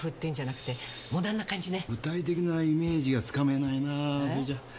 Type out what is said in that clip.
具体的なイメージがつかめないなそれじゃ。